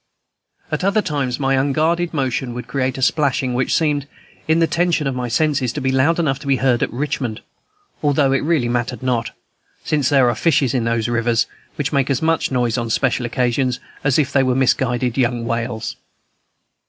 At other times, some unguarded motion would create a splashing which seemed, in the tension of my senses, to be loud enough to be heard at Richmond, although it really mattered not, since there are fishes in those rivers which make as much noise on special occasions as if they were misguided young whales.